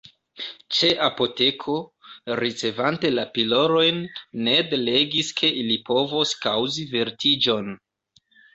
Ĉe apoteko, ricevante la pilolojn, Ned legis ke ili povos kaŭzi vertiĝon.